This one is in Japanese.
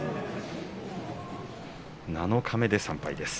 七日目で３敗です。